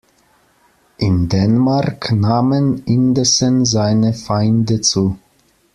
In Dänemark nahmen indessen seine Feinde zu.